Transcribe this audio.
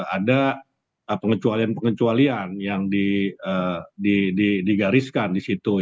ada pengecualian pengecualian yang digariskan di situ